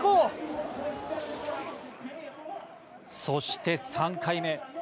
そして３回目。